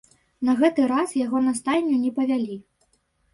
На гэты раз яго на стайню не павялі.